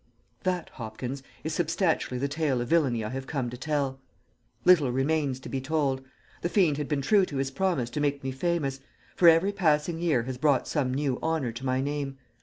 "That, Hopkins, is substantially the tale of villainy I have come to tell. Little remains to be told. The fiend has been true to his promise to make me famous, for every passing year has brought some new honour to my name.